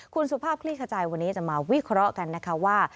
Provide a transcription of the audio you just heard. คุณสุภาพคลี่ขจายวันนี้จะมาวิเคราะห์กันนะคะว่า